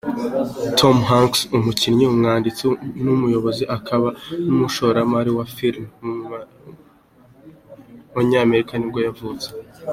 Tom Hanks, umukinnyi, umwanditsi, umuyobozi, akaba n’umushoramari wa filime w’umunyamerika nibwo yavutse.